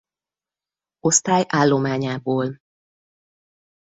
Osztály állományából.